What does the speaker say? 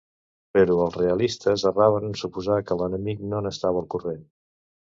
Però els reialistes erraven en suposar que l'enemic no n'estava al corrent.